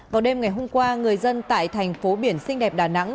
vào đêm ngày hôm qua người dân tại thành phố biển xinh đẹp đà nẵng